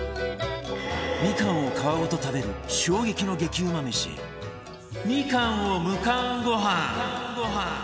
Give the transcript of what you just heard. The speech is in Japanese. みかんを皮ごと食べる衝撃の激うま飯みかんをむかんごはん